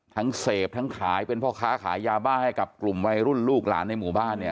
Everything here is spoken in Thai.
เสพทั้งขายเป็นพ่อค้าขายยาบ้าให้กับกลุ่มวัยรุ่นลูกหลานในหมู่บ้านเนี่ย